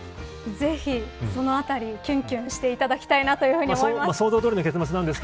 ぜひ、そのあたりきゅんきゅんしていただきたいなと思います。